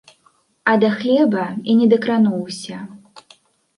А да хлеба і не дакрануўся.